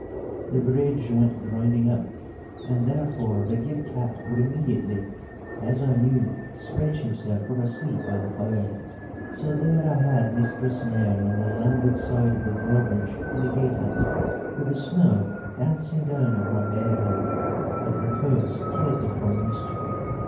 The bridge went grinding up, and therefore the Gib cat would immediately, as I knew, stretch himself for a sleep by the fire. So there I had Mistress Nell on the landward side of the drawbridge and the gate up, with the snow dancing down on her bare head and her coats kilted for mischief.